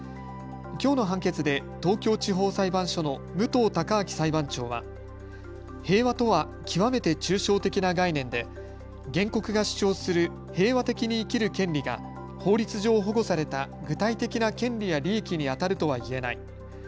きょうの判決で東京地方裁判所の武藤貴明裁判長は平和とは極めて抽象的な概念で原告が主張する平和的に生きる権利が法律上、保護された具体的な権利や利益にあたるとはいえない。